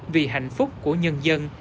vì hạnh phúc của nhân dân